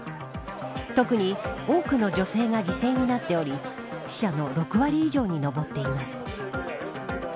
特に多くの女性が犠牲になっており死者の６割以上に上っています。